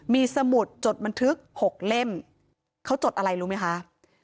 มีสมุดจดบันทึก๖เล่มเขาจดอะไรรู้ไหมคะ